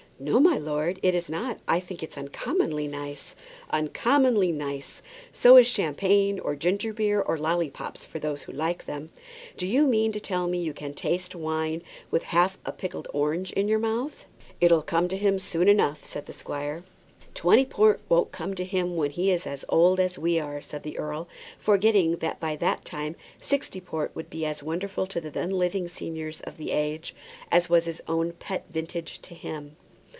"No, my lord, it is not. I think it's uncommonly nice." "Uncommonly nice! So is champagne, or ginger beer, or lollipops, for those who like them. Do you mean to tell me you can taste wine with half a pickled orange in your mouth?" "It'll come to him soon enough," said the squire. "Twenty port won't come to him when he is as old as we are," said the earl, forgetting that by that time sixty port will be as wonderful to the then living seniors of the age as was his own pet vintage to him.